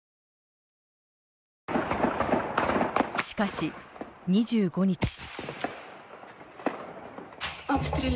しかし２５日。